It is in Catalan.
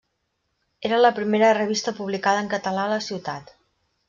Era la primera revista publicada en català a la ciutat.